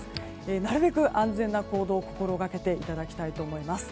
なるべく安全な行動を心がけていただきたいと思います。